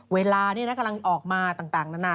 เวลานี่นะกำลังออกมาต่างนานา